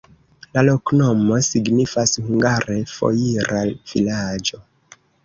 La loknomo signifas hungare: foira-vilaĝo.